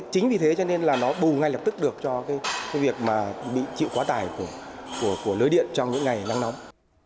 chính vì thế cho nên là nó bù ngay lập tức được cho cái việc mà bị chịu quá tải của lưới điện trong những ngày nắng nóng